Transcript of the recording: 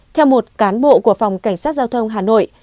theo một cán bộ của phòng cảnh sát giao thông hà nội